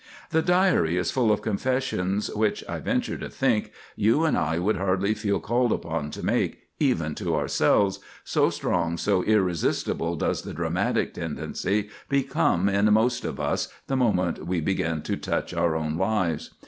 The Diary is full of confessions which, I venture to think, you and I would hardly feel called upon to make, even to ourselves, so strong, so irresistible does the dramatic tendency become in most of us the moment we begin to touch our own lives.